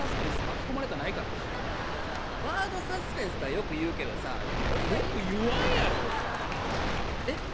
巻き込まれたないからバードサスペンスとはよく言うけどさでも俺がよく言わんやろえっ？